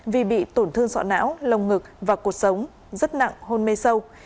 vì bị tổn thương sọ não lồng ngực và cuộc sống rất nặng hôn mê sâu